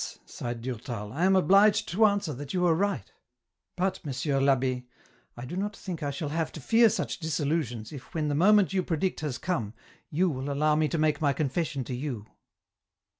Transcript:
" sighed Durtal, " I am obliged to answer that you are right ; but, Monsieur I'Abbd, I do not think I shall have to fear such disillusions if when the moment you predict has come you will allow me to make my confession to you."